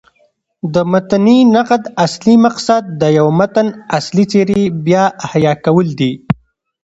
د متني نقد اصلي مقصد د یوه متن اصلي څېرې بيا احیا کول دي.